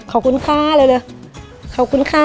ขอบคุณค่ะเร็วขอบคุณค่ะ